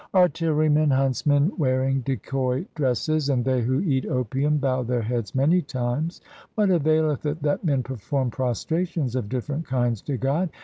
Artillerymen, huntsmen wearing decoy dresses, and they who eat opium bow their heads many times. What availeth it that men perform prostrations of different kinds to God